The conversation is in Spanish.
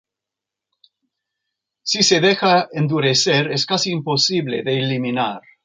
Si se deja endurecer es casi imposible de eliminar.